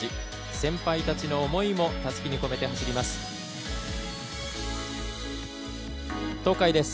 先輩たちの思いもたすきに込めて走ります。